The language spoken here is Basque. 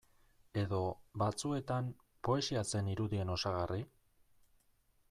Edo, batzuetan, poesia zen irudien osagarri?